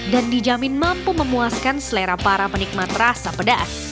dan dijamin mampu memuaskan selera para penikmat rasa pedas